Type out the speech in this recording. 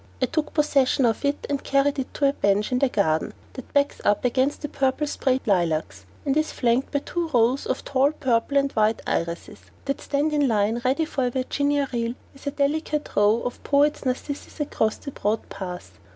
I took possession of it and carried it to a bench in the garden that backs up against the purple sprayed lilacs and is flanked by two rows of tall purple and white iris that stand in line ready for a Virginia reel with a delicate row of the poet's narcissus across the broad path.